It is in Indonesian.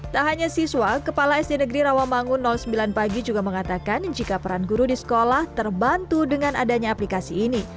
tak hanya siswa kepala sd negeri rawamangun sembilan pagi juga mengatakan jika peran guru di sekolah terbantu dengan adanya aplikasi ini